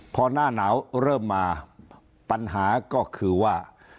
พอหน้าหนาวเริ่มมาปัญหาก็คือว่า